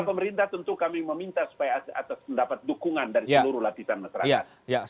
pemerintah tentu kami meminta supaya mendapat dukungan dari seluruh lapisan masyarakat